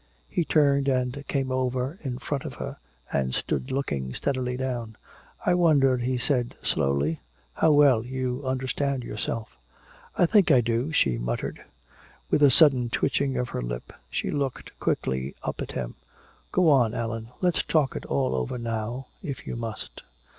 He turned and came over in front of her, and stood looking steadily down. "I wonder," he said slowly, "how well you understand yourself." "I think I do," she muttered. With a sudden twitching of her lip she looked quickly up at him. "Go on, Allan let's talk it all over now if you must!"